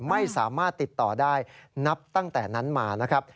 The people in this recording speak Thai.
ไม่สามารถติดต่อได้นับตั้งแต่นั้นมานะครับ